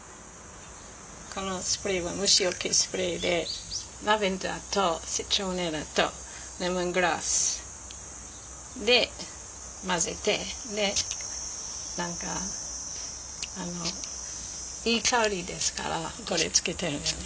このスプレーは虫よけスプレーでラベンダーとシトロネラとレモングラスで混ぜて何かいい香りですからこれつけてるよね。